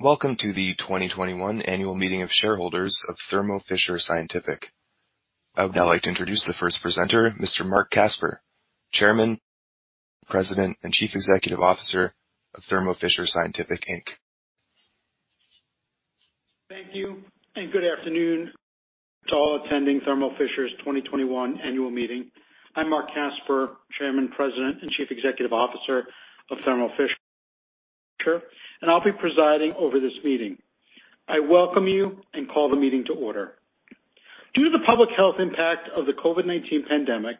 Welcome to the 2021 Annual Meeting of Shareholders of Thermo Fisher Scientific. I would now like to introduce the first presenter, Mr. Marc Casper, Chairman, President, and Chief Executive Officer of Thermo Fisher Scientific, Inc. Thank you, and good afternoon to all attending Thermo Fisher's 2021 Annual Meeting. I'm Marc Casper, Chairman, President, and Chief Executive Officer of Thermo Fisher, and I'll be presiding over this meeting. I welcome you and call the meeting to order. Due to the public health impact of the COVID-19 pandemic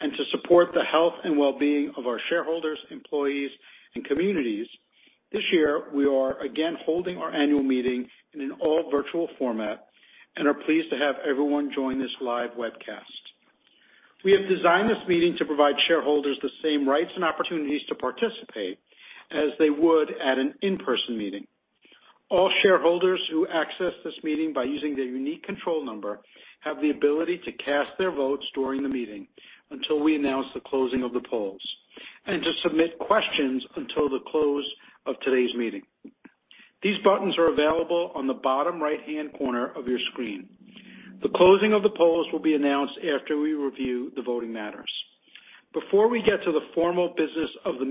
and to support the health and wellbeing of our shareholders, employees, and communities, this year, we are again holding our Annual Meeting in an all virtual format and are pleased to have everyone join this live webcast. We have designed this meeting to provide shareholders the same rights and opportunities to participate as they would at an in-person meeting. All shareholders who access this meeting by using their unique control number have the ability to cast their votes during the meeting until we announce the closing of the polls, and to submit questions until the close of today's meeting. These buttons are available on the bottom right-hand corner of your screen. The closing of the polls will be announced after we review the voting matters. Before we get to the formal business of the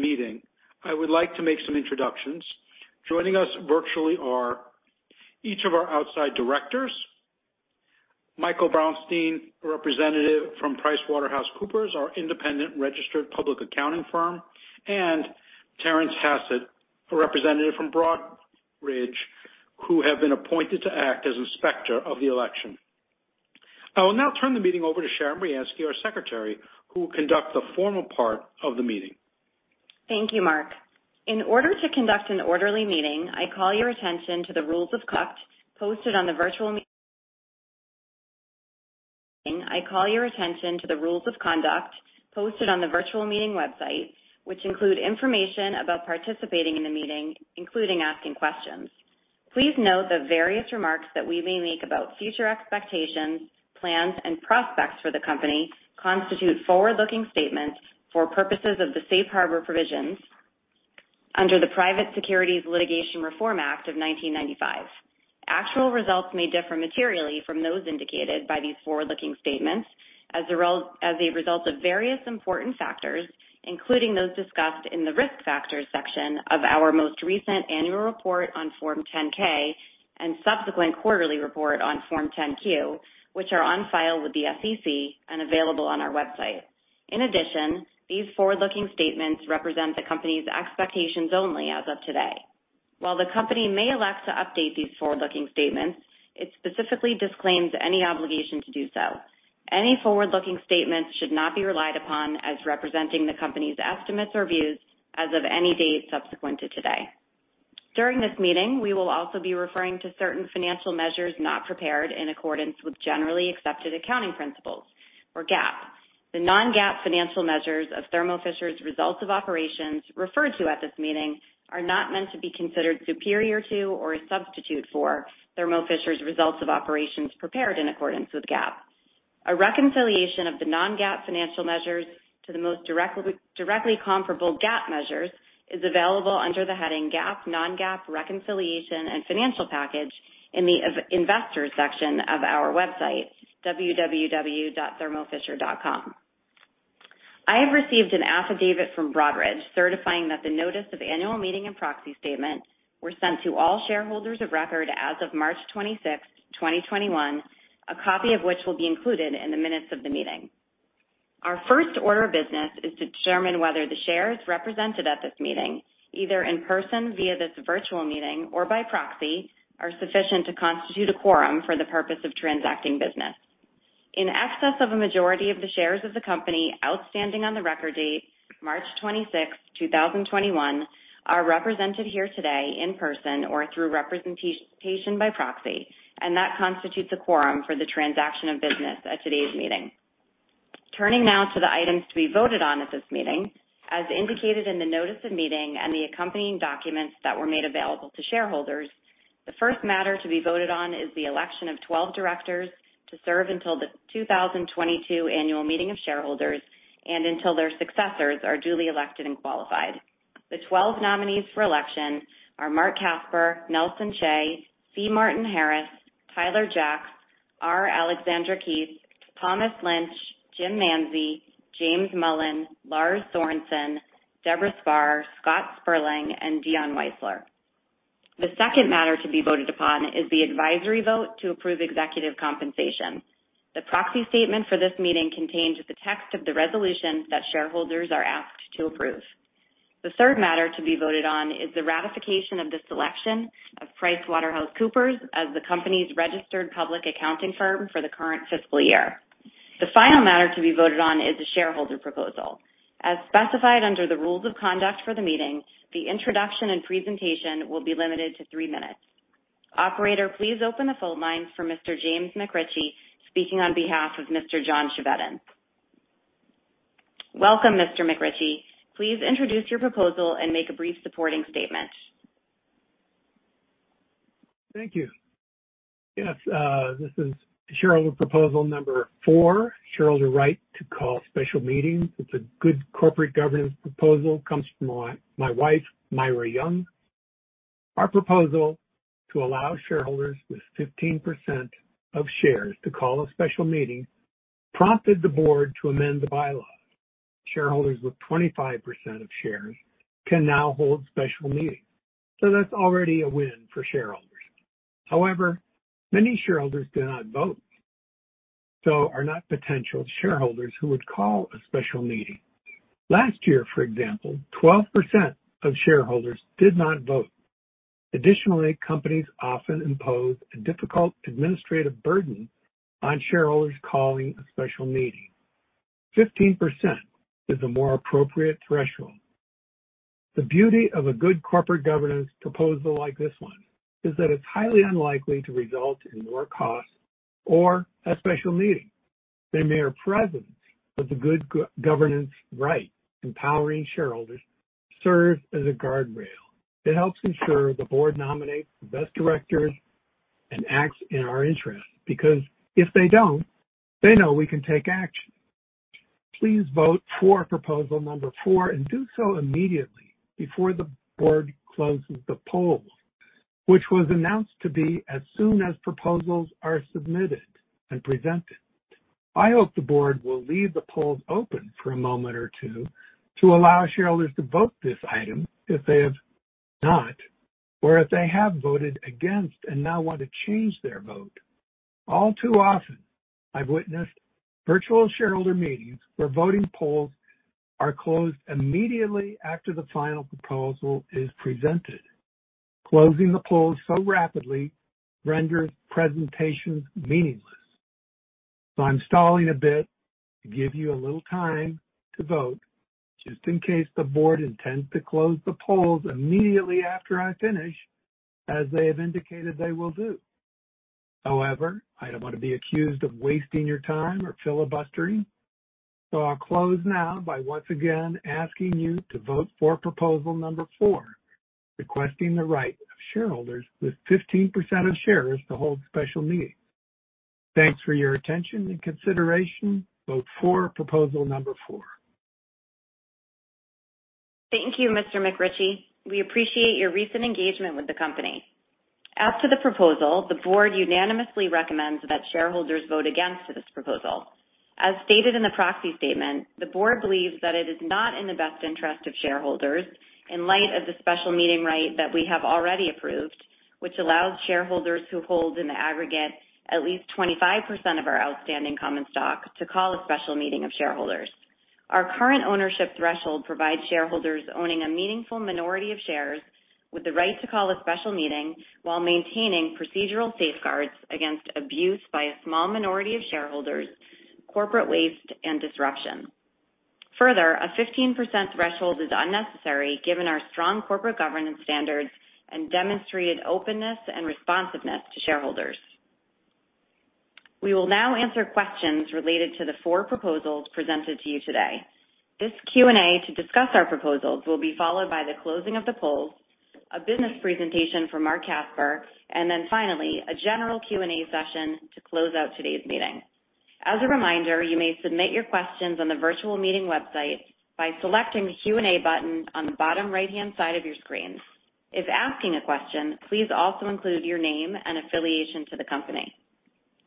meeting, I would like to make some introductions. Joining us virtually are each of our Outside Directors, Michael Bronstein, a representative from PricewaterhouseCoopers, our independent registered public accounting firm, and Terence Hassett, a representative from Broadridge, who have been appointed to act as Inspector of the Election. I will now turn the meeting over to Sharon Briansky as our Secretary, who will conduct the formal part of the meeting. Thank you, Marc. In order to conduct an orderly meeting, I call your attention to the rules of conduct posted on the virtual meeting website, which include information about participating in the meeting, including asking questions. Please note that various remarks that we may make about future expectations, plans, and prospects for the company constitute forward-looking statements for purposes of the safe harbor provisions under the Private Securities Litigation Reform Act of 1995. Actual results may differ materially from those indicated by these forward-looking statements as a result of various important factors, including those discussed in the Risk Factors section of our most recent annual report on Form 10-K and subsequent quarterly report on Form 10-Q, which are on file with the SEC and available on our website. In addition, these forward-looking statements represent the company's expectations only as of today. While the company may elect to update these forward-looking statements, it specifically disclaims any obligation to do so. Any forward-looking statements should not be relied upon as representing the company's estimates or views as of any date subsequent to today. During this meeting, we will also be referring to certain financial measures not prepared in accordance with generally accepted accounting principles, or GAAP. The non-GAAP financial measures of Thermo Fisher's results of operations referred to at this meeting are not meant to be considered superior to or a substitute for Thermo Fisher's results of operations prepared in accordance with GAAP. A reconciliation of the non-GAAP financial measures to the most directly comparable GAAP measures is available under the heading GAAP, non-GAAP reconciliation and financial package in the investor section of our website, www.thermofisher.com. I have received an affidavit from Broadridge certifying that the notice of Annual Meeting and proxy statement were sent to all shareholders of record as of March 26th, 2021, a copy of which will be included in the minutes of the meeting. Our first order of business is to determine whether the shares represented at this meeting, either in person via this virtual meeting or by proxy, are sufficient to constitute a quorum for the purpose of transacting business. In excess of a majority of the shares of the company outstanding on the record date, March 26th, 2021, are represented here today in person or through representation by proxy, and that constitutes a quorum for the transaction of business at today's meeting. Turning now to the items to be voted on at this meeting, as indicated in the notice of meeting and the accompanying documents that were made available to shareholders, the first matter to be voted on is the election of 12 Directors to serve until the 2022 annual meeting of shareholders and until their successors are duly elected and qualified. The 12 nominees for election are Marc Casper, Nelson Chai, C. Martin Harris, Tyler Jacks, R. Alexandra Keith, Thomas Lynch, Jim Manzi, James Mullen, Lars Sørensen, Debora Spar, Scott Sperling, and Dion Weisler. The second matter to be voted upon is the advisory vote to approve executive compensation. The proxy statement for this meeting contains the text of the resolution that shareholders are asked to approve. The third matter to be voted on is the ratification of the selection of PricewaterhouseCoopers as the company's registered public accounting firm for the current fiscal year. The final matter to be voted on is a shareholder proposal. As specified under the rules of conduct for the meeting, the introduction and presentation will be limited to three minutes. Operator, please open the phone lines for Mr. James McRitchie, speaking on behalf of Mr. John Chevedden. Welcome, Mr. McRitchie. Please introduce your proposal and make a brief supporting statement. Thank you. Yes. This is shareholder proposal number four, shareholders right to call special meetings. It's a good corporate governance proposal, comes from my wife, Myra Young. Our proposal to allow shareholders with 15% of shares to call a special meeting prompted the board to amend the bylaws. Shareholders with 25% of shares can now hold special meetings. That's already a win for shareholders. However, many shareholders do not vote, so are not potential shareholders who would call a special meeting. Last year, for example, 12% of shareholders did not vote. Additionally, companies often impose a difficult administrative burden on shareholders calling a special meeting. 15% is a more appropriate threshold. The beauty of a good corporate governance proposal like this one is that it's highly unlikely to result in more costs or a special meeting. The mere presence of the good governance right empowering shareholders serves as a guardrail. It helps ensure the board nominates the best directors and acts in our interest, because if they don't, they know we can take action. Please vote for proposal number four and do so immediately before the board closes the poll, which was announced to be as soon as proposals are submitted and presented. I hope the board will leave the polls open for a moment or two to allow shareholders to vote this item if they have not, or if they have voted against and now want to change their vote. All too often, I've witnessed virtual shareholder meetings where voting polls are closed immediately after the final proposal is presented. Closing the polls so rapidly renders presentations meaningless. I'm stalling a bit to give you a little time to vote just in case the board intends to close the polls immediately after I finish, as they have indicated they will do. However, I don't want to be accused of wasting your time or filibustering, so I'll close now by once again asking you to vote for proposal number four, requesting the right of shareholders with 15% of shares to hold special meetings. Thanks for your attention and consideration. Vote for proposal number four. Thank you, Mr. McRitchie. We appreciate your recent engagement with the company. As to the proposal, the board unanimously recommends that shareholders vote against this proposal. As stated in the proxy statement, the board believes that it is not in the best interest of shareholders in light of the special meeting right that we have already approved, which allows shareholders who hold in the aggregate at least 25% of our outstanding common stock to call a special meeting of shareholders. Our current ownership threshold provides shareholders owning a meaningful minority of shares with the right to call a special meeting while maintaining procedural safeguards against abuse by a small minority of shareholders, corporate waste, and disruption. A 15% threshold is unnecessary given our strong corporate governance standards and demonstrated openness and responsiveness to shareholders. We will now answer questions related to the four proposals presented to you today. This Q&A to discuss our proposals will be followed by the closing of the polls, a business presentation from Marc Casper, and then finally, a general Q&A session to close out today's meeting. As a reminder, you may submit your questions on the virtual meeting website by selecting the Q&A button on the bottom right-hand side of your screen. If asking a question, please also include your name and affiliation to the company.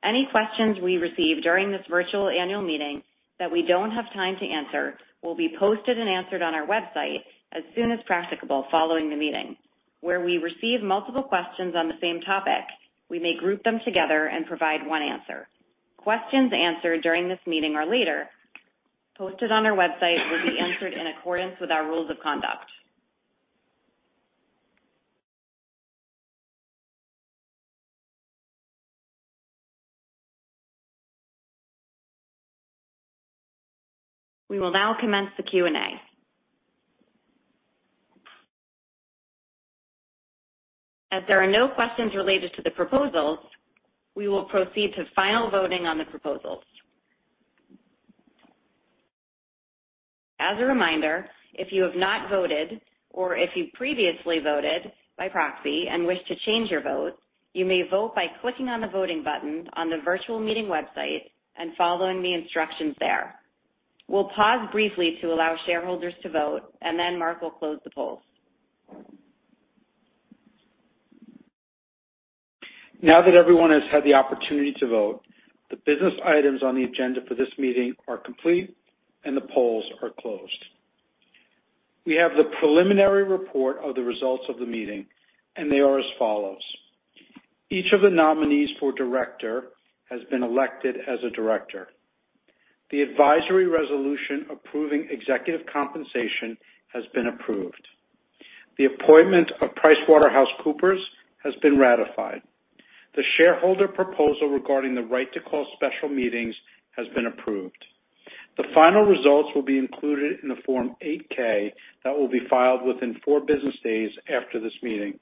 Any questions we receive during this virtual annual meeting that we don't have time to answer will be posted and answered on our website as soon as practicable following the meeting. Where we receive multiple questions on the same topic, we may group them together and provide one answer. Questions answered during this meeting or later posted on our website will be answered in accordance with our Rules of Conduct. We will now commence the Q&A. As there are no questions related to the proposals, we will proceed to final voting on the proposals. As a reminder, if you have not voted or if you previously voted by proxy and wish to change your vote, you may vote by clicking on the voting button on the virtual meeting website and following the instructions there. We'll pause briefly to allow shareholders to vote, and then Marc will close the polls. Now that everyone has had the opportunity to vote, the business items on the agenda for this meeting are complete, and the polls are closed. We have the preliminary report of the results of the meeting, and they are as follows. Each of the nominees for Director has been elected as a Director. The advisory resolution approving executive compensation has been approved. The appointment of PricewaterhouseCoopers has been ratified. The shareholder proposal regarding the right to call special meetings has been approved. The final results will be included in the Form 8-K that will be filed within four business days after this meeting.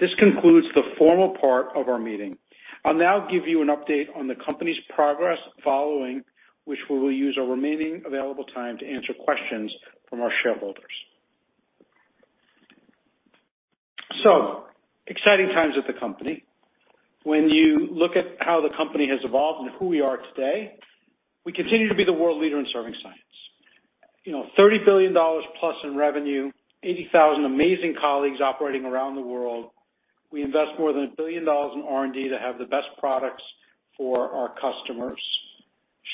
This concludes the formal part of our meeting. I'll now give you an update on the company's progress, following which we will use our remaining available time to answer questions from our shareholders. So, exciting times at the company. When you look at how the company has evolved and who we are today, we continue to be the world leader in serving science. You know, $30 billion plus in revenue, 80,000 amazing colleagues operating around the world. We invest more than $1 billion in R&D to have the best products for our customers.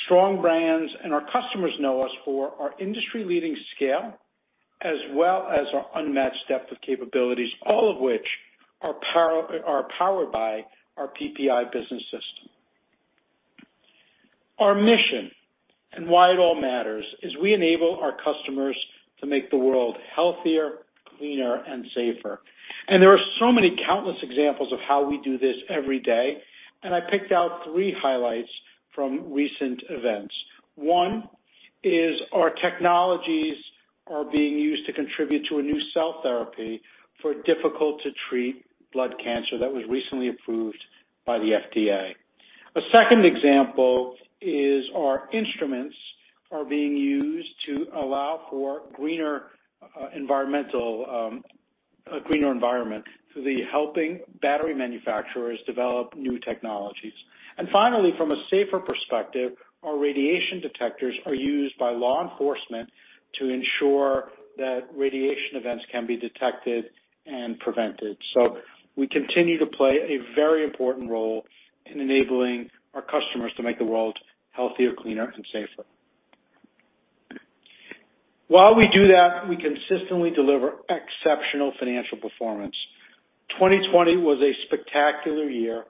Strong brands. Our customers know us for our industry-leading scale, as well as our unmatched depth of capabilities, all of which are powered by our PPI business. Our mission and why it all matters is we enable our customers to make the world healthier, cleaner and safer. There are so many countless examples of how we do this every day, and I picked out three highlights from recent events. One is our technologies are being used to contribute to a new cell therapy for difficult to treat blood cancer that was recently approved by the FDA. A second example is our instruments are being used to allow for a greener environmental—, a greener environment so they're helping battery manufacturers develop new technologies. And finally, from a safer perspective, our radiation detectors are used by law enforcement to ensure that radiation events can be detected and prevented. So, we continue to play a very important role in enabling our customers to make the world healthier, cleaner and safer. While we do that, we consistently deliver exceptional financial performance. 2020 was a spectacular year,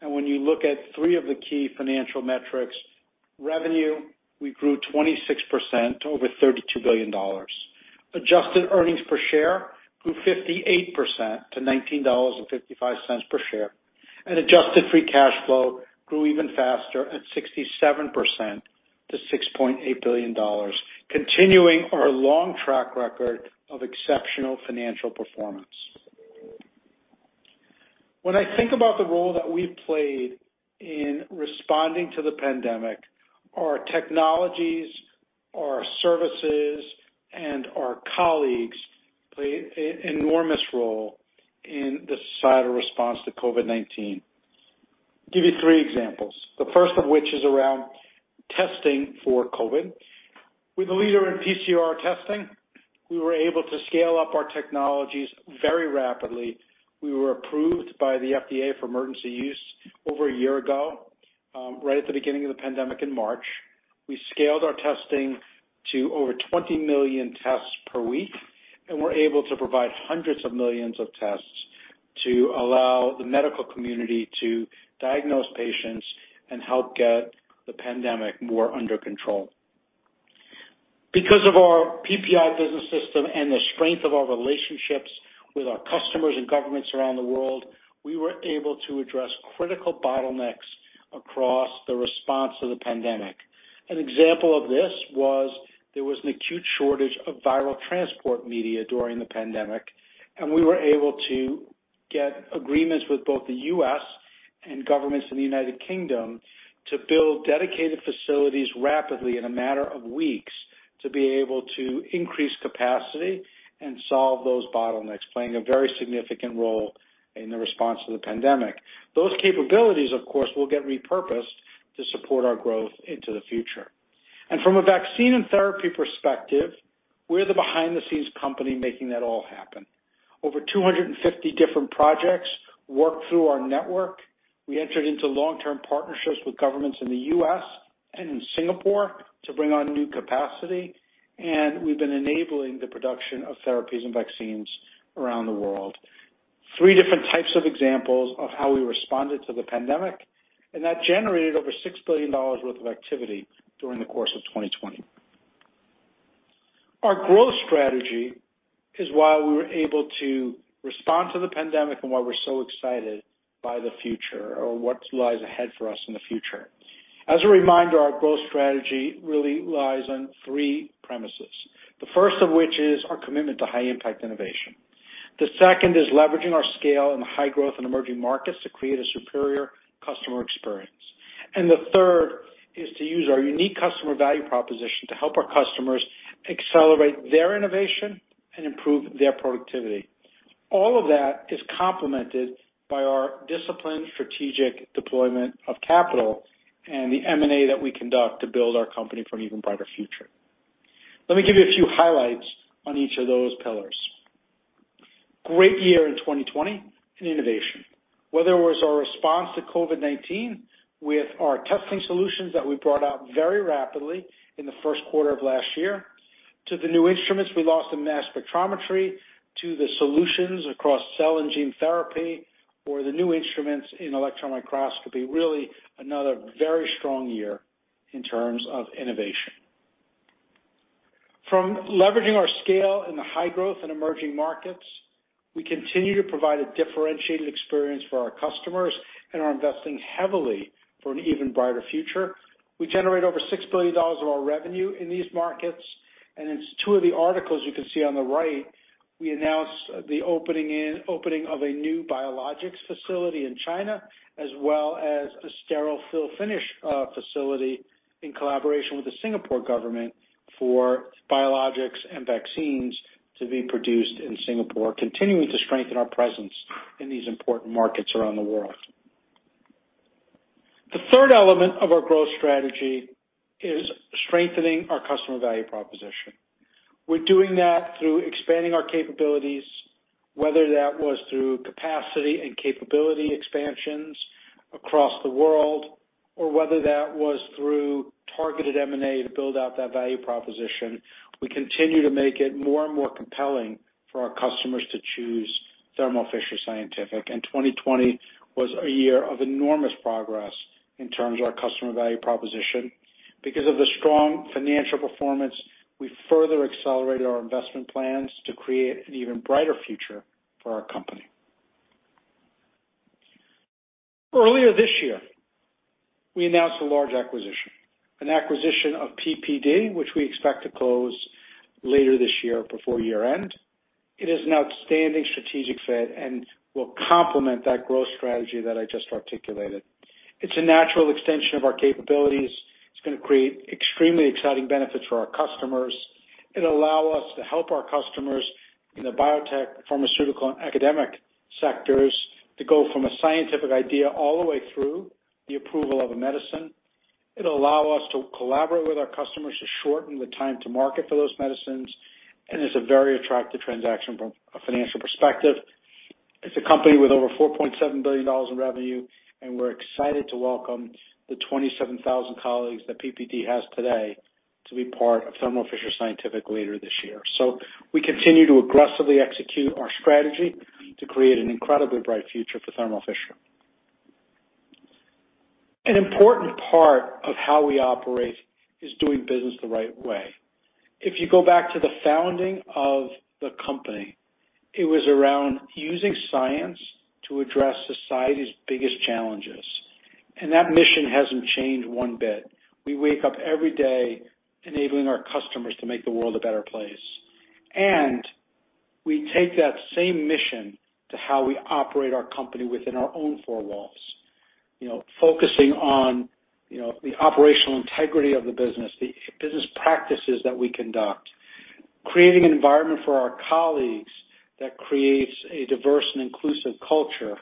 and when you look at three of the key financial metrics, revenue, we grew 26% to over $32 billion. Adjusted earnings per share grew 58% to $19.55 per share, and adjusted free cash flow grew even faster at 67% to $6.8 billion, continuing our long track record of exceptional financial performance. When I think about the role that we've played in responding to the pandemic, our technologies, our services, and our colleagues play an enormous role in the societal response to COVID-19. Give you three examples, the first of which is around testing for COVID. We're the leader in PCR testing. We were able to scale up our technologies very rapidly. We were approved by the FDA for emergency use over a year ago, right at the beginning of the pandemic in March. We scaled our testing to over 20 million tests per week, and we're able to provide hundreds of millions of tests to allow the medical community to diagnose patients and help get the pandemic more under control. Because of our PPI business system and the strength of our relationships with our customers and governments around the world, we were able to address critical bottlenecks across the response to the pandemic. An example of this was there was an acute shortage of viral transport media during the pandemic, and we were able to get agreements with both the U.S. and governments in the United Kingdom to build dedicated facilities rapidly in a matter of weeks, to be able to increase capacity and solve those bottlenecks, playing a very significant role in the response to the pandemic. Those capabilities, of course, will get repurposed to support our growth into the future. From a vaccine and therapy perspective, we're the behind-the-scenes company making that all happen. Over 250 different projects work through our network. We entered into long-term partnerships with governments in the U.S. and in Singapore to bring on new capacity, and we've been enabling the production of therapies and vaccines around the world. Three different types of examples of how we responded to the pandemic, and that generated over $6 billion worth of activity during the course of 2020. Our growth strategy is why we were able to respond to the pandemic and why we're so excited by the future or what lies ahead for us in the future. As a reminder, our growth strategy really lies on three premises. The first of which is our commitment to high impact innovation. The second is leveraging our scale in high growth and emerging markets to create a superior customer experience. And the third is to use our unique customer value proposition to help our customers accelerate their innovation and improve their productivity. All of that is complemented by our disciplined strategic deployment of capital and the M&A that we conduct to build our company for an even brighter future. Let me give you a few highlights on each of those pillars. Great year in 2020 in innovation. Whether it was our response to COVID-19 with our testing solutions that we brought out very rapidly in the first quarter of last year, to the new instruments we launched in mass spectrometry, to the solutions across cell and gene therapy, or the new instruments in electron microscopy, really another very strong year in terms of innovation. From leveraging our scale in the high growth and emerging markets, we continue to provide a differentiated experience for our customers and are investing heavily for an even brighter future. We generate over $6 billion of our revenue in these markets, and in two of the articles you can see on the right, we announced the opening of a new biologics facility in China, as well as a sterile fill finish facility in collaboration with the Singapore government for biologics and vaccines to be produced in Singapore, continuing to strengthen our presence in these important markets around the world. The third element of our growth strategy is strengthening our customer value proposition. We're doing that through expanding our capabilities, whether that was through capacity and capability expansions across the world, or whether that was through targeted M&A to build out that value proposition. We continue to make it more and more compelling for our customers to choose Thermo Fisher Scientific, and 2020 was a year of enormous progress in terms of our customer value proposition. Because of the strong financial performance, we further accelerated our investment plans to create an even brighter future for our company. Earlier this year, we announced a large acquisition, an acquisition of PPD, which we expect to close later this year before year-end. It is an outstanding strategic fit and will complement that growth strategy that I just articulated. It's a natural extension of our capabilities. It's going to create extremely exciting benefits for our customers. It'll allow us to help our customers in the biotech, pharmaceutical, and academic sectors to go from a scientific idea all the way through the approval of a medicine. It'll allow us to collaborate with our customers to shorten the time to market for those medicines, and it's a very attractive transaction from a financial perspective. It's a company with over $4.7 billion in revenue, and we're excited to welcome the 27,000 colleagues that PPD has today to be part of Thermo Fisher Scientific later this year. We continue to aggressively execute our strategy to create an incredibly bright future for Thermo Fisher. An important part of how we operate is doing business the right way. If you go back to the founding of the company, it was around using science to address society's biggest challenges, and that mission hasn't changed one bit. We wake up every day enabling our customers to make the world a better place. And we take that same mission to how we operate our company within our own four walls. Focusing on the operational integrity of the business, the business practices that we conduct, creating an environment for our colleagues that creates a diverse and inclusive culture.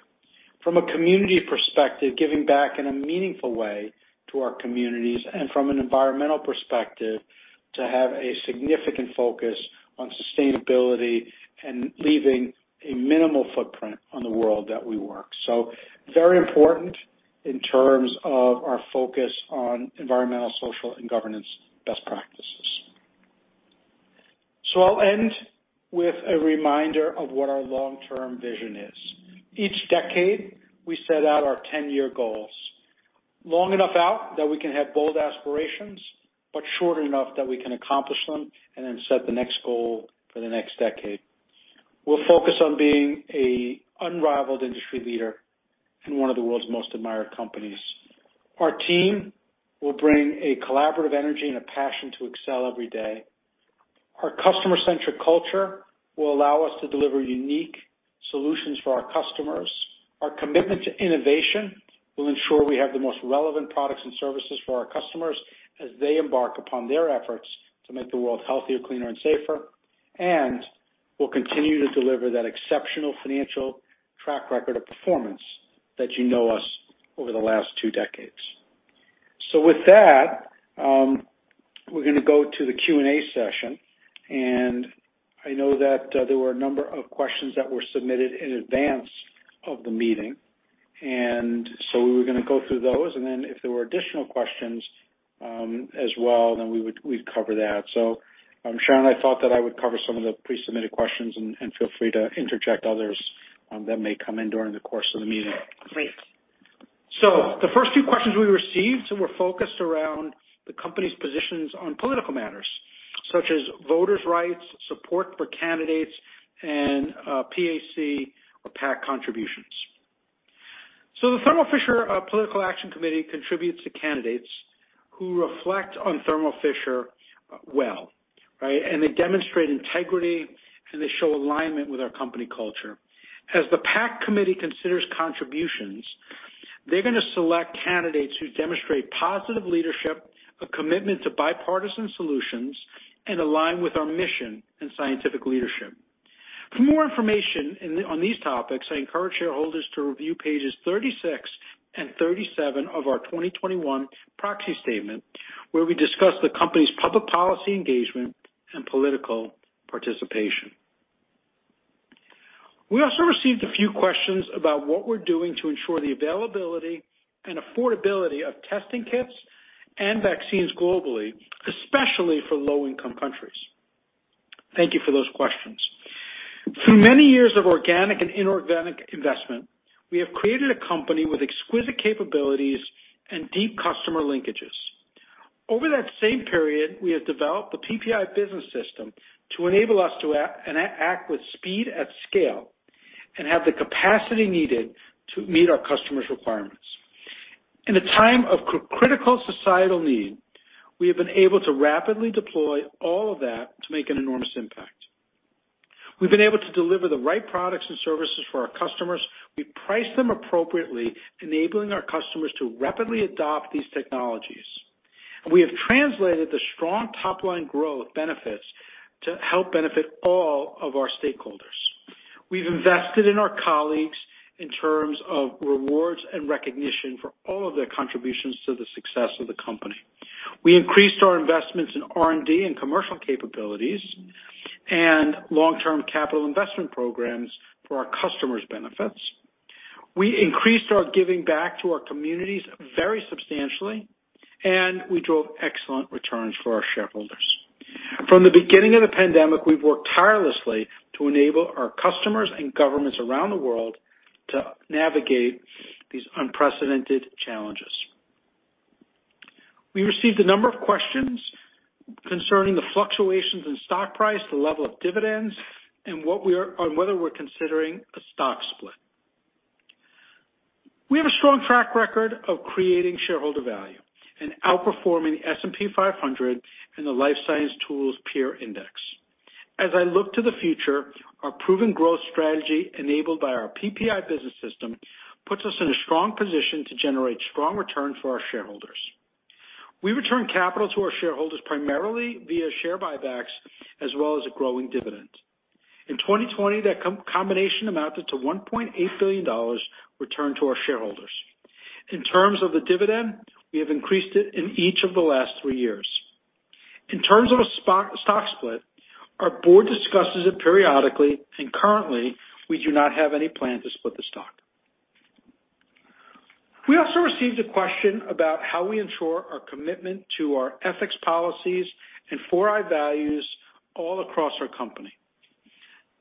From a community perspective, giving back in a meaningful way to our communities, and from an environmental perspective, to have a significant focus on sustainability and leaving a minimal footprint on the world that we work. Very important in terms of our focus on Environmental, Social, and Governance best practices. I'll end with a reminder of what our long-term vision is. Each decade, we set out our 10-year goals. Long enough out that we can have bold aspirations, but short enough that we can accomplish them and then set the next goal for the next decade. We're focused on being an unrivaled industry leader and one of the world's most admired companies. Our team will bring a collaborative energy and a passion to excel every day. Our customer-centric culture will allow us to deliver unique solutions for our customers. Our commitment to innovation will ensure we have the most relevant products and services for our customers as they embark upon their efforts to make the world healthier, cleaner, and safer. We'll continue to deliver that exceptional financial track record of performance that you know us over the last two decades. With that, we're going to go to the Q&A session, and I know that there were a number of questions that were submitted in advance of the meeting, and so we're going to go through those, and then if there were additional questions as well, then we'd cover that, so Sharon, I thought that I would cover some of the pre-submitted questions and feel free to interject others that may come in during the course of the meeting. Great. The first few questions we received were focused around the company's positions on political matters, such as voters' rights, support for candidates, and PAC contributions. The Thermo Fisher Political Action Committee contributes to candidates who reflect on Thermo Fisher well, right? They demonstrate integrity, and they show alignment with our company culture. As the PAC committee considers contributions, they're going to select candidates who demonstrate positive leadership, a commitment to bipartisan solutions, and align with our mission and scientific leadership. For more information on these topics, I encourage shareholders to review pages 36 and 37 of our 2021 proxy statement, where we discuss the company's public policy engagement and political participation. We also received a few questions about what we're doing to ensure the availability and affordability of testing kits and vaccines globally, especially for low-income countries. Thank you for those questions. Through many years of organic and inorganic investment, we have created a company with exquisite capabilities and deep customer linkages. Over that same period, we have developed the PPI business system to enable us to act with speed at scale and have the capacity needed to meet our customers' requirements. In a time of critical societal need, we have been able to rapidly deploy all of that to make an enormous impact. We've been able to deliver the right products and services for our customers. We price them appropriately, enabling our customers to rapidly adopt these technologies. We have translated the strong top-line growth benefits to help benefit all of our stakeholders. We've invested in our colleagues in terms of rewards and recognition for all of their contributions to the success of the company. We increased our investments in R&D and commercial capabilities and long-term capital investment programs for our customers' benefits. We increased our giving back to our communities very substantially, and we drove excellent returns for our shareholders. From the beginning of the pandemic, we've worked tirelessly to enable our customers and governments around the world to navigate these unprecedented challenges. We received a number of questions concerning the fluctuations in stock price, the level of dividends, and whether we're considering a stock split. We have a strong track record of creating shareholder value and outperforming the S&P 500 and the Life Science Tools Peer Index. As I look to the future, our proven growth strategy, enabled by our PPI business system, puts us in a strong position to generate strong returns for our shareholders. We return capital to our shareholders primarily via share buybacks as well as a growing dividend. In 2020, that combination amounted to $1.8 billion returned to our shareholders. In terms of the dividend, we have increased it in each of the last three years. In terms of a stock split, our board discusses it periodically, and currently, we do not have any plan to split the stock. We also received a question about how we ensure our commitment to our ethics policies and 4i Values all across our company.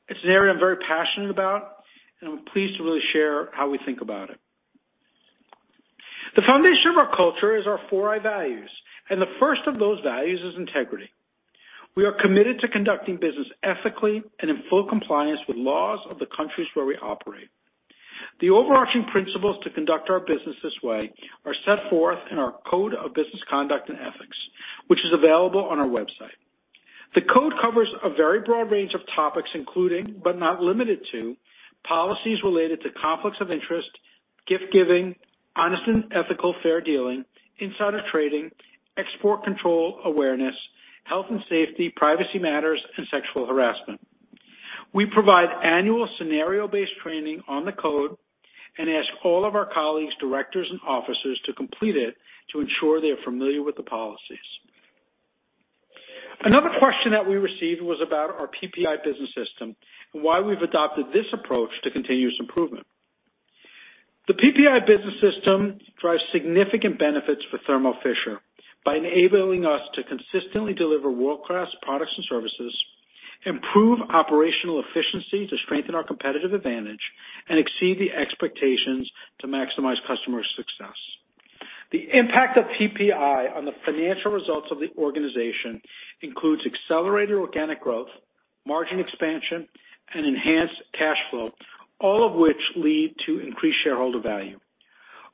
It's an area I'm very passionate about, and I'm pleased to share how we think about it. The foundation of our culture is our 4i Values, and the first of those values is Integrity. We are committed to conducting business ethically and in full compliance with laws of the countries where we operate. The overarching principles to conduct our business this way are set forth in our Code of Business Conduct and Ethics, which is available on our website. The code covers a very broad range of topics, including, but not limited to, policies related to conflicts of interest, gift-giving, honest and ethical fair dealing, insider trading, export control awareness, health and safety, privacy matters, and sexual harassment. We provide annual scenario-based training on the code and ask all of our colleagues, directors, and officers to complete it to ensure they're familiar with the policies. Another question that we received was about our PPI business system and why we've adopted this approach to continuous improvement. The PPI business system drives significant benefits for Thermo Fisher by enabling us to consistently deliver world-class products and services, improve operational efficiency to strengthen our competitive advantage, and exceed the expectations to maximize customer success. The impact of PPI on the financial results of the organization includes accelerated organic growth, margin expansion, and enhanced cash flow, all of which lead to increased shareholder value.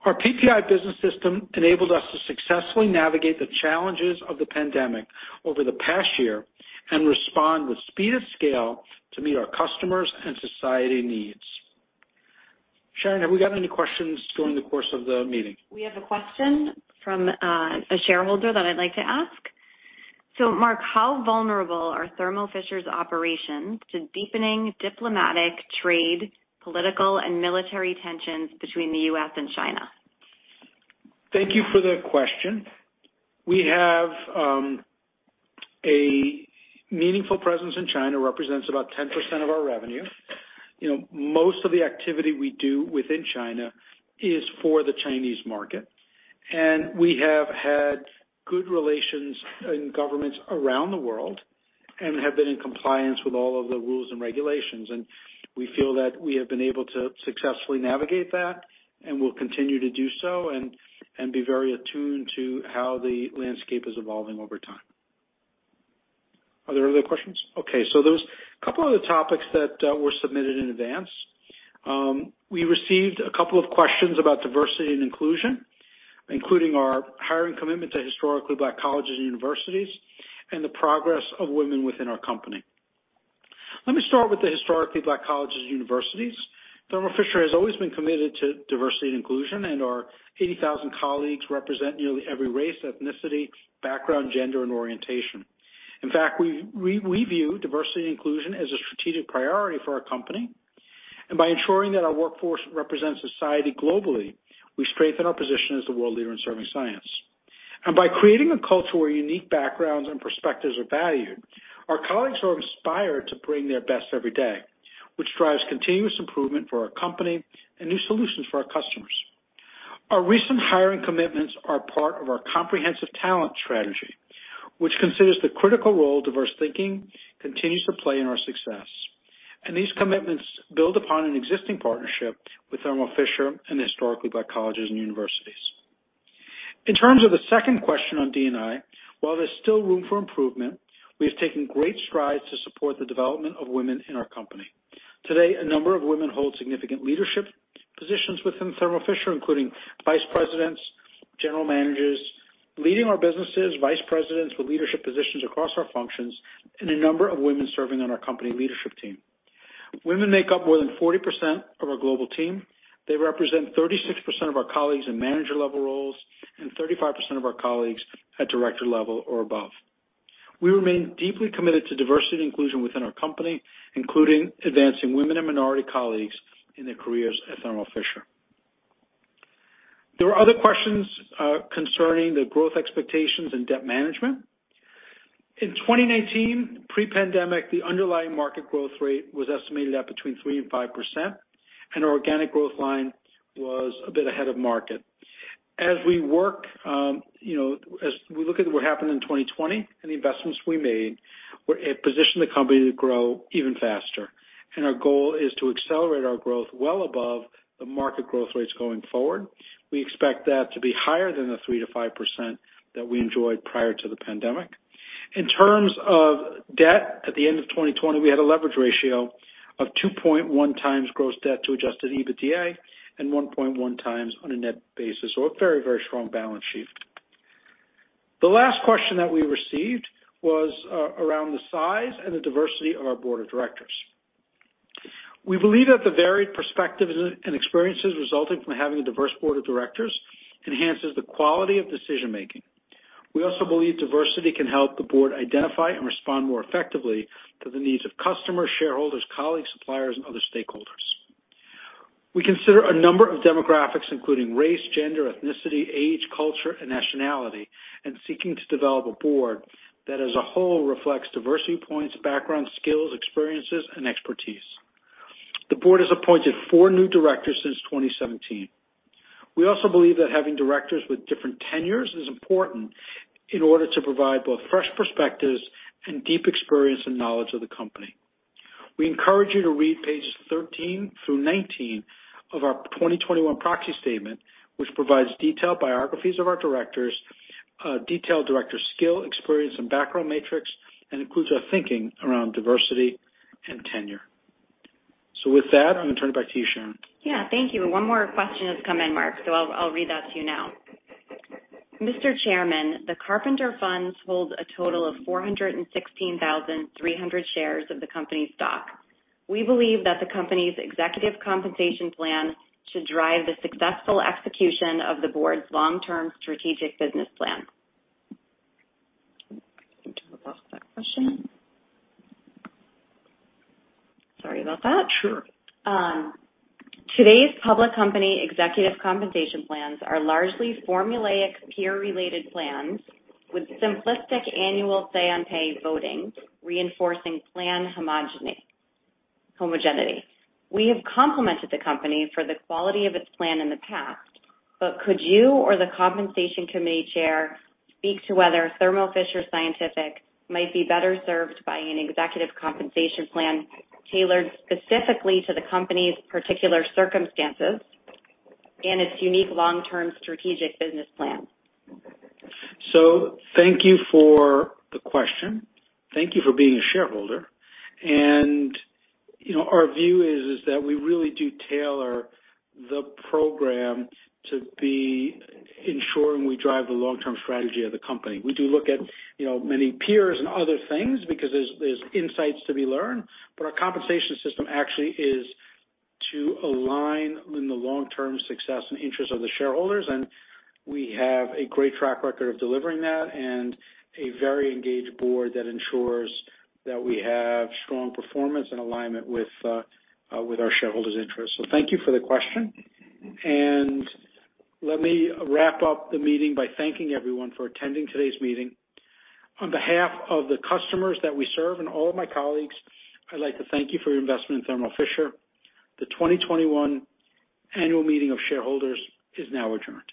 Our PPI business system enabled us to successfully navigate the challenges of the pandemic over the past year and respond with speed and scale to meet our customers' and society needs. Sharon, have we got any questions during the course of the meeting? We have a question from a shareholder that I'd like to ask. Marc, how vulnerable are Thermo Fisher's operations to deepening diplomatic trade, political, and military tensions between the U.S. and China? Thank you for that question. We have a meaningful presence in China, represents about 10% of our revenue. Most of the activity we do within China is for the Chinese market, and we have had good relations in governments around the world and have been in compliance with all of the rules and regulations, and we feel that we have been able to successfully navigate that and will continue to do so and be very attuned to how the landscape is evolving over time. Are there other questions? Okay, there's a couple other topics that were submitted in advance. We received a couple of questions about diversity and inclusion, including our hiring commitment to historically Black Colleges and Universities and the progress of women within our company. Let me start with the historically Black Colleges and Universities. Thermo Fisher has always been committed to diversity and inclusion. Our 80,000 colleagues represent nearly every race, ethnicity, background, gender, and orientation. In fact, we view diversity and inclusion as a strategic priority for our company. By ensuring that our workforce represents society globally, we strengthen our position as the world leader in serving science. By creating a culture where unique backgrounds and perspectives are valued, our colleagues are inspired to bring their best every day, which drives continuous improvement for our company and new solutions for our customers. Our recent hiring commitments are part of our comprehensive talent strategy, which considers the critical role diverse thinking continues to play in our success. And these commitments build upon an existing partnership with Thermo Fisher and historically Black Colleges and Universities. In terms of the second question on D&I, while there's still room for improvement, we've taken great strides to support the development of women in our company. Today, a number of women hold significant leadership positions within Thermo Fisher, including Vice Presidents, General Managers leading our businesses, vice presidents with leadership positions across our functions, and a number of women serving on our company leadership team. Women make up more than 40% of our global team. They represent 36% of our colleagues in manager-level roles and 35% of our colleagues at director level or above. We remain deeply committed to diversity and inclusion within our company, including advancing women and minority colleagues in their careers at Thermo Fisher. There are other questions concerning the growth expectations and debt management. In 2019, pre-pandemic, the underlying market growth rate was estimated at between 3% and 5%. Organic growth line was a bit ahead of market. As we look at what happened in 2020 and the investments we made, it positioned the company to grow even faster. Our goal is to accelerate our growth well above the market growth rates going forward. We expect that to be higher than the 3% to 5% that we enjoyed prior to the pandemic. In terms of debt, at the end of 2020, we had a leverage ratio of 2.1x gross debt to adjusted EBITDA and 1.1x on a net basis. A very, very strong balance sheet. The last question that we received was around the size and the diversity of our Board of Directors. We believe that the varied perspectives and experiences resulting from having a diverse Board of Directors enhances the quality of decision-making. We also believe diversity can help the board identify and respond more effectively to the needs of customers, shareholders, colleagues, suppliers, and other stakeholders. We consider a number of demographics, including race, gender, ethnicity, age, culture, and nationality, seeking to develop a board that as a whole reflects diversity points, backgrounds, skills, experiences, and expertise. The Board has appointed four new Directors since 2017. We also believe that having Directors with different tenures is important in order to provide both fresh perspectives and deep experience and knowledge of the company. We encourage you to read pages 13 through 19 of our 2021 proxy statement, which provides detailed biographies of our Directors, a detailed director skill experience, and background matrix, and includes our thinking around diversity and tenure. So with that, I'm going to turn it back to you, Sharon. Yeah, thank you. One more question has come in, Marc, so I'll read that to you now. "Mr. Chairman, the Carpenter Funds hold a total of 416,300 shares of the company stock. We believe that the company's executive compensation plans should drive the successful execution of the board's long-term strategic business plan." I think I lost that question. Sorry about that. Sure. Today's public company executive compensation plans are largely formulaic, peer-related plan, with simplistic annual say-on-pay votings reinforcing plan homogeneity. We have complimented the company for the quality of its plan in the past, could you or the Compensation Committee chair speak to whether Thermo Fisher Scientific might be better served by an executive compensation plan tailored specifically to the company's particular circumstances and its unique long-term strategic business plan? So, thank you for the question. Thank you for being a shareholder. Our view is that we really do tailor the program to be ensuring we drive the long-term strategy of the company. We do look at many peers and other things because there's insights to be learned, but our compensation system actually is to align in the long-term success and interest of the shareholders, and we have a great track record of delivering that and a very engaged board that ensures that we have strong performance and alignment with our shareholders' interests. Thank you for the question. Let me wrap up the meeting by thanking everyone for attending today's meeting. On behalf of the customers that we serve and all of my colleagues, I'd like to thank you for your investment in Thermo Fisher. The 2021 annual meeting of shareholders is now adjourned.